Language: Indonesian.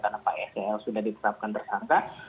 karena pak esl sudah ditetapkan bersangka